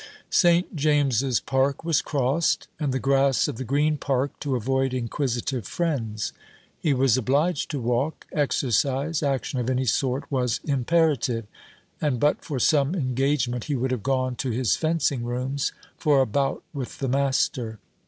St. James's park was crossed, and the grass of the Green park, to avoid inquisitive friends. He was obliged to walk; exercise, action of any sort, was imperative, and but for some engagement he would have gone to his fencing rooms for a bout with the master.